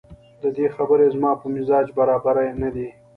دده خبرې زما په مزاج برابرې نه دي